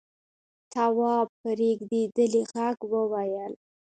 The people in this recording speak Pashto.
تواب په رېږديدلي غږ وويل: